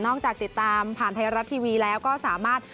จากติดตามผ่านไทยรัฐทีวีแล้วก็สามารถ